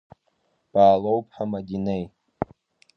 Баалоуԥҳа Мадинеи…